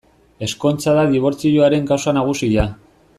Ezkontza da dibortzioaren kausa nagusia.